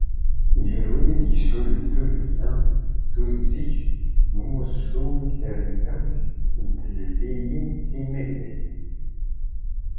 Gar wid i d-yeslulen Tuddsa Tuzzigt n Umussu i Trennawt n Tlelliyin Timagdayin.